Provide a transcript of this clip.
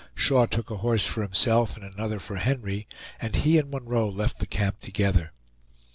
Shaw took a horse for himself and another for Henry, and he and Munroe left the camp together.